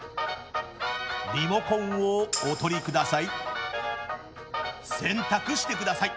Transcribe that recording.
リモコンをお取りください。